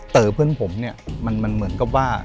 แต่เพื่อนผมเนี่ยมันเหมือนกับว่า